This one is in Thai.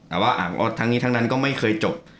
เพราะทางนี้ทางนั้นก็ไม่เคยจบ